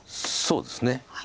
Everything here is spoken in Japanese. そうですね。